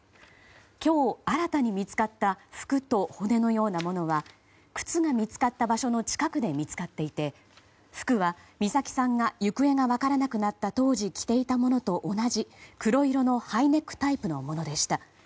今日、新たに見つかった服と骨のようなものは靴が見つかった場所の近くで見つかっていて、服は美咲さんが行方が分からなくなった当時着ていたものと同じ黒色のハイネックタイプのものでした。